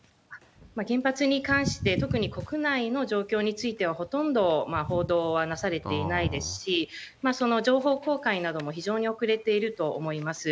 原発に関して、特に国内の状況については、ほとんど報道はなされていないですし、その情報公開なども非常に遅れていると思います。